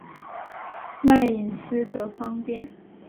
卖隐私得方便